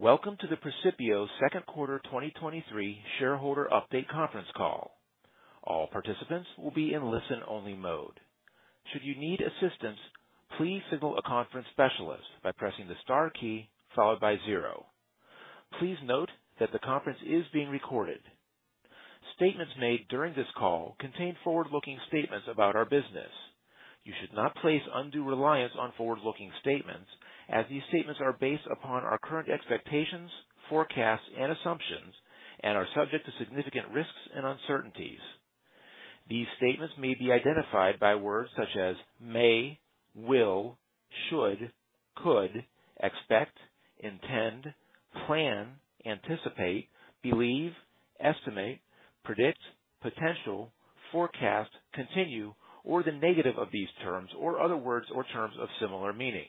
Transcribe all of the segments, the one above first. Welcome to the Precipio Second Quarter 2023 Shareholder Update Conference Call. All participants will be in listen-only mode. Should you need assistance, please signal a conference specialist by pressing the star key followed by zero. Please note that the conference is being recorded. Statements made during this call contain forward-looking statements about our business. You should not place undue reliance on forward-looking statements as these statements are based upon our current expectations, forecasts, and assumptions and are subject to significant risks and uncertainties. These statements may be identified by words such as may, will, should, could, expect, intend, plan, anticipate, believe, estimate, predict, potential, forecast, continue, or the negative of these terms, or other words or terms of similar meaning.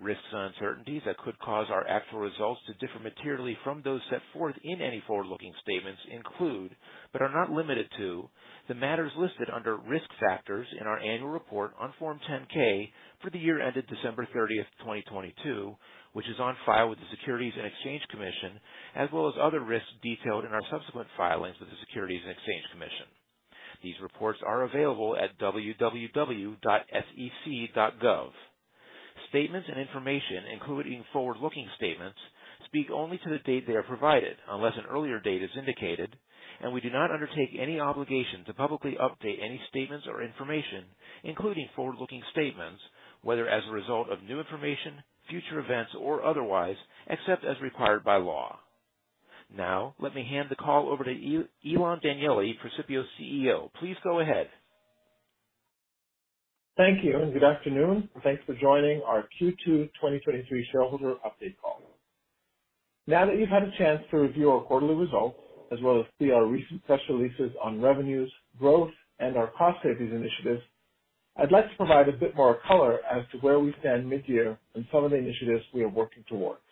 Risks and uncertainties that could cause our actual results to differ materially from those set forth in any forward-looking statements include, but are not limited to, the matters listed under Risk Factors in our Annual Report on Form 10-K for the year ended December 30th, 2022, which is on file with the Securities and Exchange Commission, as well as other risks detailed in our subsequent filings with the Securities and Exchange Commission. These reports are available at www.sec.gov. Statements and information, including forward-looking statements, speak only to the date they are provided, unless an earlier date is indicated, and we do not undertake any obligation to publicly update any statements or information, including forward-looking statements, whether as a result of new information, future events, or otherwise, except as required by law. Now, let me hand the call over to Ilan Danieli, Precipio's CEO. Please go ahead. Thank you, good afternoon, and thanks for joining our Q2 2023 shareholder update call. Now that you've had a chance to review our quarterly results, as well as see our recent press releases on revenues, growth, and our cost savings initiatives, I'd like to provide a bit more color as to where we stand mid-year and some of the initiatives we are working towards.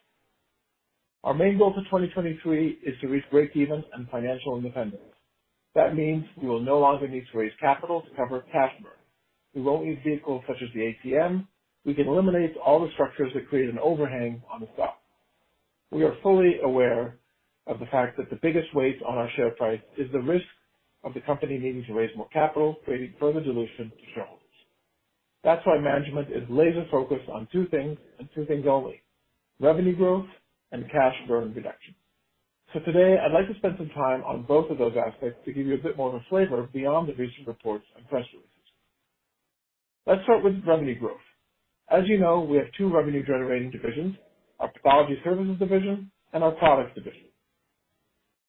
Our main goal for 2023 is to reach breakeven and financial independence. That means we will no longer need to raise capital to cover cash burn. We won't need vehicles such as the ATM. We can eliminate all the structures that create an overhang on the stock. We are fully aware of the fact that the biggest weight on our share price is the risk of the company needing to raise more capital, creating further dilution to shareholders. That's why management is laser-focused on two things and two things only: revenue growth and cash burn reduction. Today, I'd like to spend some time on both of those aspects to give you a bit more of a flavor beyond the recent reports and press releases. Let's start with revenue growth. As you know, we have two revenue-generating divisions: our pathology services division and our products division.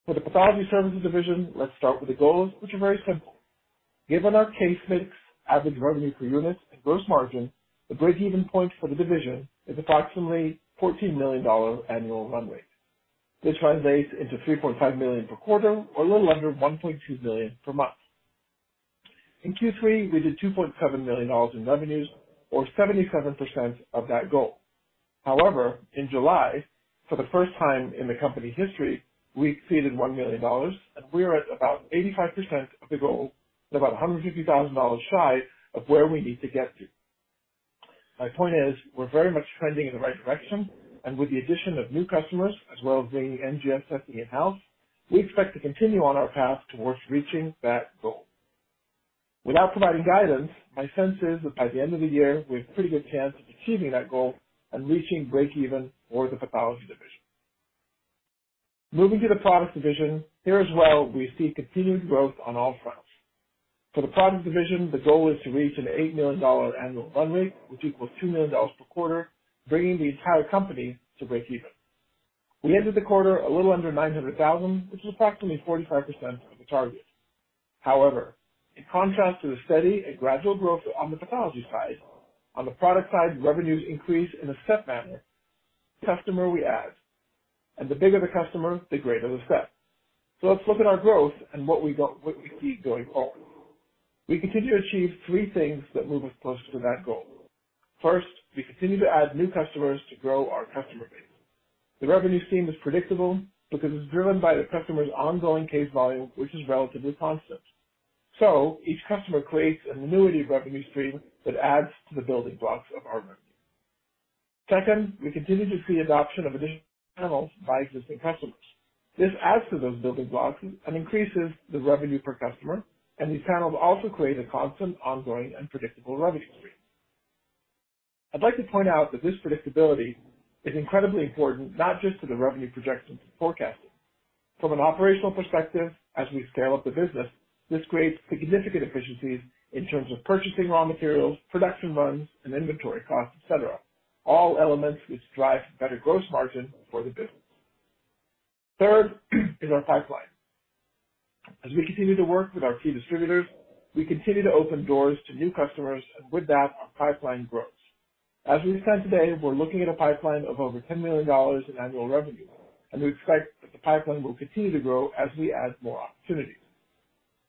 For the pathology services division, let's start with the goals, which are very simple. Given our case mix, average revenue per unit, and gross margin, the breakeven point for the division is approximately $14 million annual run rate. This translates into $3.5 million per quarter, or a little under $1.2 million per month. In Q3, we did $2.7 million in revenues or 77% of that goal. However, in July, for the first time in the company history, we exceeded $1 million and we are at about 85% of the goal and about $150,000 shy of where we need to get to. My point is, we're very much trending in the right direction, and with the addition of new customers as well as bringing NGS testing in-house, we expect to continue on our path towards reaching that goal. Without providing guidance, my sense is that by the end of the year, we have a pretty good chance of achieving that goal and reaching breakeven for the pathology division. Moving to the products division. Here as well, we see continued growth on all fronts. For the products division, the goal is to reach an $8 million annual run rate, which equals $2 million per quarter, bringing the entire company to breakeven. We ended the quarter a little under $900,000, which is approximately 45% of the target. However, in contrast to the steady and gradual growth on the pathology side, on the product side, revenues increase in a step manner with each customer we add. The bigger the customer, the greater the step. Let's look at our growth and what we got, what we see going forward. We continue to achieve three things that move us closer to that goal. First, we continue to add new customers to grow our customer base. The revenue stream is predictable because it's driven by the customer's ongoing case volume, which is relatively constant. Each customer creates an annuity of revenue stream that adds to the building blocks of our revenue. Second, we continue to see adoption of additional panels by existing customers. This adds to those building blocks and increases the revenue per customer, and these panels also create a constant, ongoing, and predictable revenue stream. I'd like to point out that this predictability is incredibly important, not just to the revenue projections and forecasting. From an operational perspective, as we scale up the business, this creates significant efficiencies in terms of purchasing raw materials, production runs and inventory costs, et cetera. All elements which drive better gross margin for the business. Third is our pipeline. As we continue to work with our key distributors, we continue to open doors to new customers, and with that, our pipeline grows. As we stand today, we're looking at a pipeline of over $10 million in annual revenue. We expect that the pipeline will continue to grow as we add more opportunities.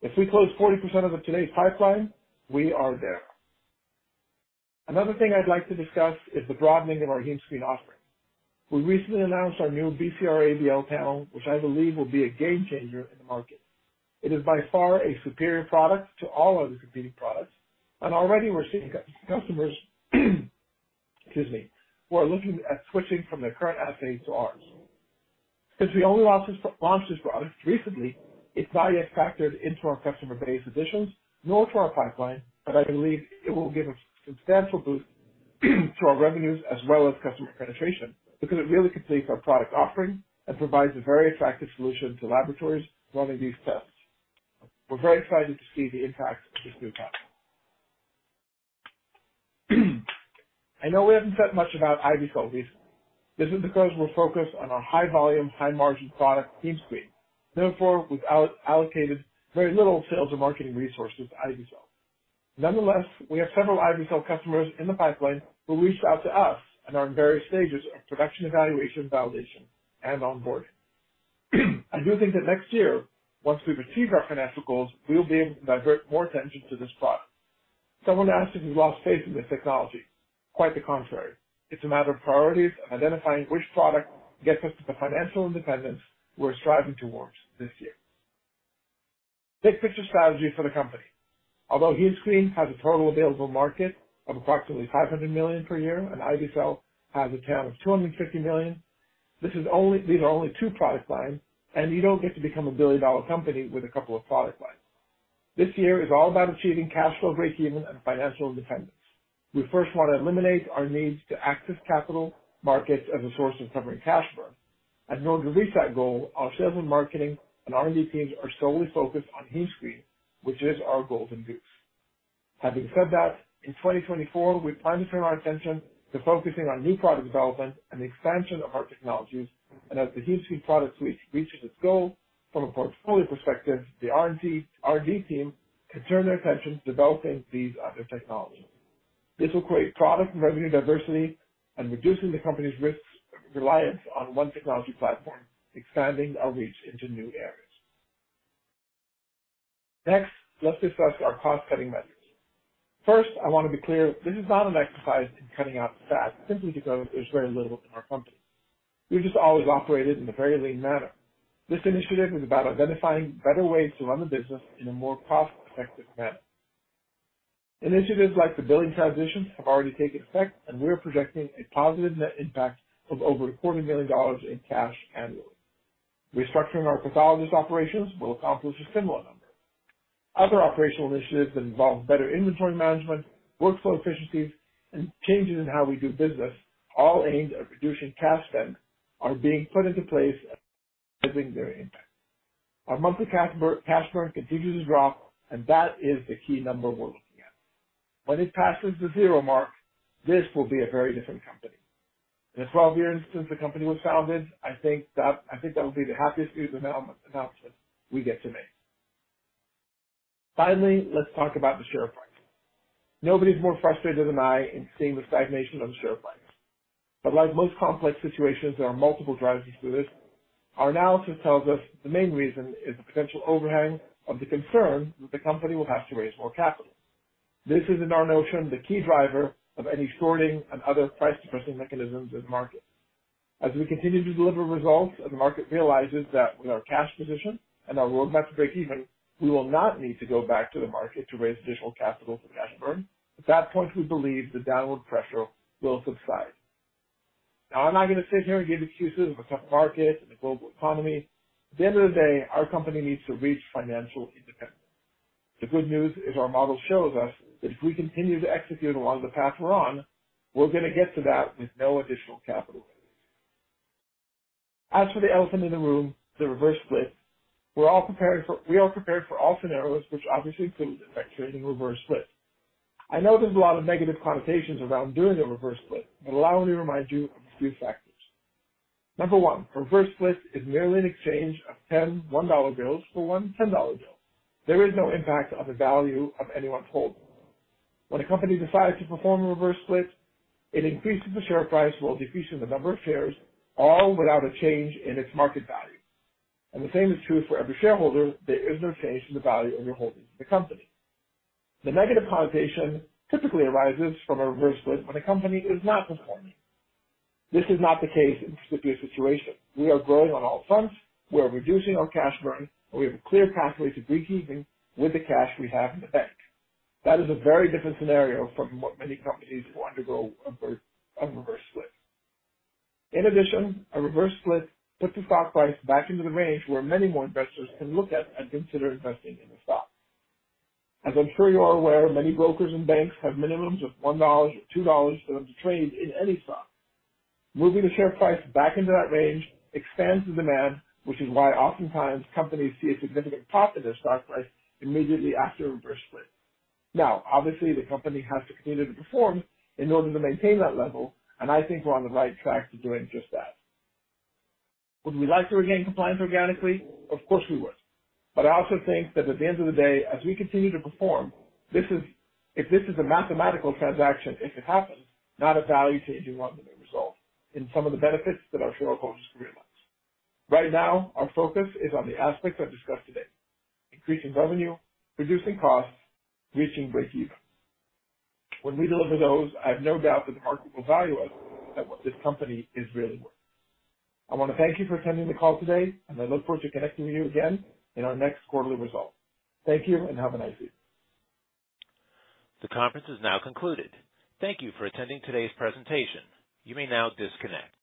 If we close 40% of today's pipeline, we are there. Another thing I'd like to discuss is the broadening of our HemeScreen offering. We recently announced our new BCR-ABL1 panel, which I believe will be a game changer in the market. It is by far a superior product to all other competing products. Already we're seeing customers, excuse me, who are looking at switching from their current assay to ours. Since we only launched this product recently, it's not yet factored into our customer base additions nor to our pipeline. I believe it will give a substantial boost to our revenues as well as customer penetration, because it really completes our product offering and provides a very attractive solution to laboratories running these tests. We're very excited to see the impact of this new panel. I know we haven't said much about IV-Cell recently. This is because we're focused on our high volume, high margin product, HemeScreen. We've out-allocated very little sales and marketing resources to IV-Cell. We have several IV-Cell customers in the pipeline who reached out to us and are in various stages of production, evaluation, validation, and onboarding. I do think that next year, once we've achieved our financial goals, we'll be able to divert more attention to this product. Someone asked if we lost faith in this technology. Quite the contrary. It's a matter of priorities and identifying which product gets us to the financial independence we're striving towards this year. Big picture strategy for the company. Although HemeScreen has a total available market of approximately $500 million per year, and IV-Cell has a TAM of $250 million, these are only two product lines, and you don't get to become a billion-dollar company with a couple of product lines. This year is all about achieving cash flow, breakeven, and financial independence. We first want to eliminate our needs to access capital markets as a source of covering cash burn. In order to reach that goal, our sales and marketing and R&D teams are solely focused on HemeScreen, which is our golden goose. Having said that, in 2024, we plan to turn our attention to focusing on new product development and the expansion of our technologies. As the HemeScreen product suite reaches its goal from a portfolio perspective, the R&D, R&D team can turn their attention to developing these other technologies. This will create product and revenue diversity and reducing the company's risks, reliance on one technology platform, expanding our reach into new areas. Next, let's discuss our cost-cutting measures. First, I want to be clear, this is not an exercise in cutting out fat simply because there's very little in our company. We've just always operated in a very lean manner. This initiative is about identifying better ways to run the business in a more cost-effective manner. Initiatives like the billing transitions have already taken effect, and we are projecting a positive net impact of over $250,000 in cash annually. Restructuring our pathologist operations will accomplish a similar number. Other operational initiatives that involve better inventory management, workflow efficiencies, and changes in how we do business, all aimed at reducing cash spend, are being put into place, having their impact. Our monthly cash burn continues to drop, and that is the key number we're looking at. When it passes the 0 mark, this will be a very different company. In the 12 years since the company was founded, I think that will be the happiest news announcement we get to make. Finally, let's talk about the share price. Nobody's more frustrated than I in seeing the stagnation of the share price. Like most complex situations, there are multiple drivers to this. Our analysis tells us the main reason is the potential overhang of the concern that the company will have to raise more capital. This is, in our notion, the key driver of any shorting and other price depressing mechanisms in the market. As we continue to deliver results, and the market realizes that with our cash position and our roadmap to breakeven, we will not need to go back to the market to raise additional capital for cash burn. At that point, we believe the downward pressure will subside. Now, I'm not going to sit here and give excuses of a tough market and the global economy. At the end of the day, our company needs to reach financial independence. The good news is, our model shows us that if we continue to execute along the path we're on, we're going to get to that with no additional capital. As for the elephant in the room, the reverse split, we're all prepared for all scenarios, which obviously includes effectuating a reverse split. I know there's a lot of negative connotations around doing a reverse split, but allow me to remind you of a few factors. Number one, reverse split is merely an exchange of 10 $1 bills for 1 $10 bill. There is no impact on the value of anyone's holding. When a company decides to perform a reverse split, it increases the share price while decreasing the number of shares, all without a change in its market value. The same is true for every shareholder. There is no change in the value of your holdings in the company. The negative connotation typically arises from a reverse split when a company is not performing. This is not the case in Precipio's situation. We are growing on all fronts, we are reducing our cash burn, and we have a clear pathway to breakeven with the cash we have in the bank. That is a very different scenario from what many companies who undergo a reverse split. In addition, a reverse split puts the stock price back into the range where many more investors can look at and consider investing in the stock. As I'm sure you are aware, many brokers and banks have minimums of $1 or $2 for them to trade in any stock. Moving the share price back into that range expands the demand, which is why oftentimes companies see a significant pop in their stock price immediately after a reverse split. Obviously, the company has to continue to perform in order to maintain that level, and I think we're on the right track to doing just that. Would we like to regain compliance organically? Of course, we would. I also think that at the end of the day, as we continue to perform, If this is a mathematical transaction, it could happen, not a value-changing one that may result in some of the benefits that I'm sure our shareholders realize. Right now, our focus is on the aspects I've discussed today. Increasing revenue, reducing costs, reaching breakeven. When we deliver those, I have no doubt that the market will value us at what this company is really worth. I want to thank you for attending the call today, and I look forward to connecting with you again in our next quarterly results. Thank you and have a nice day. The conference is now concluded. Thank you for attending today's presentation. You may now disconnect.